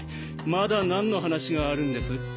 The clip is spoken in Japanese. まだなんの話があるんです？